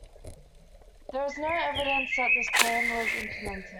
There is no evidence that this plan was implemented.